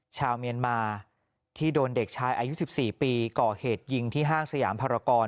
ชาวเมียนมาที่โดนเด็กชายอายุ๑๔ปีก่อเหตุยิงที่ห้างสยามภารกร